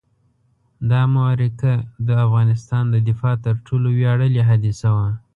دا معرکه د افغانستان د دفاع تر ټولو ویاړلې حادثه وه.